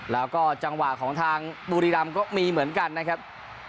แล้วก็จังหวะของทางบุรีรำก็มีเหมือนกันนะครับ